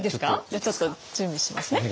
じゃあちょっと準備しますね。